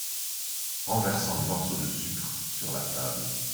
Renversant les morceaux de sucre sur la table.